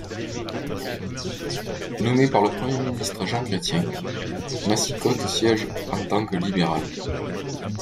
Nommé par le Premier ministre Jean Chrétien, Massicotte siège en tant que libéral.